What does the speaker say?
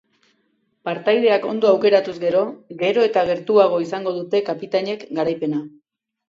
Partaideak ondo aukeratuz gero, gero eta gertuago izango dute kapitanek garaipena.